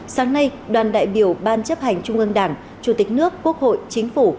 sáng nay đoàn đại biểu ban chấp hành trung ương đảng chủ tịch nước quốc hội chính phủ